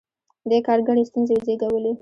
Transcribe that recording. دې کار ګڼې ستونزې وزېږولې.